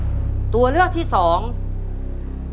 คุณยายแจ้วเลือกตอบจังหวัดนครราชสีมานะครับ